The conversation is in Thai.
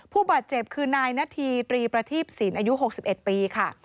ผู้บาดเจ็บคือนายนาธีตรีประทีปศีลอายุ๖๑ปีค่ะ